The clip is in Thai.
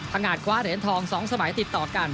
พังงาดขวาเหรียญทอง๒สมัยติดต่อกัน